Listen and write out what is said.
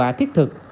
hiệu quả thiết thực